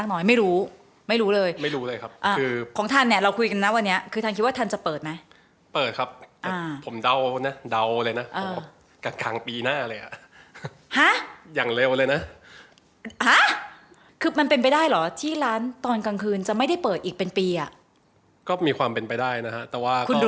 หรือว่าก็คือผูกใจกันว่าเฮ้ยเดี๋ยวถ้าพี่เปิดร้านก็กลับมานะ